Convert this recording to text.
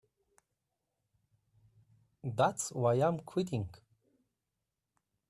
That's why I'm quitting.